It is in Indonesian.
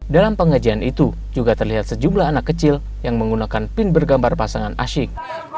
dalam pengajian itu juga terlihat sejumlah anak kecil yang menggunakan pin bergambar pasangan asyik